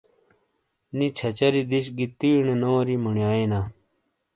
نی چھچھری دش گی تیݨے نوری موݨیایےنا۔